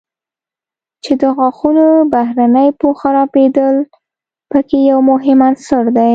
چې د غاښونو بهرني پوښ خرابېدل په کې یو مهم عنصر دی.